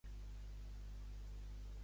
Ell apareix solament en records.